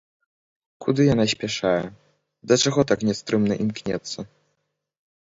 Куды яна спяшае, да чаго так нястрымна імкнецца?